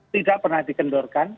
tidak pernah dikendurkan